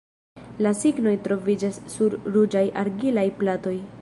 La signoj troviĝas sur ruĝaj argilaj platoj.